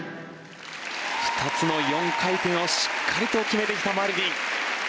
２つの４回転をしっかりと決めてきたマリニン。